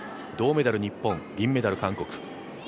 銅メダル日本、銀メダル韓国。